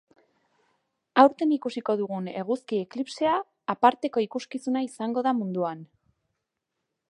Aurten ikusiko dugun eguzki eklipsea aparteko ikuskizuna izango da munduan.